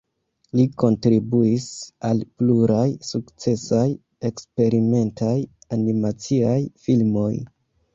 Li kontribuis al pluraj sukcesaj eksperimentaj animaciaj filmoj.